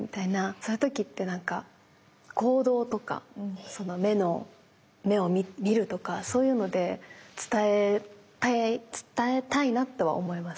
そういう時ってなんか行動とか目を見るとかそういうので伝えたいなとは思います。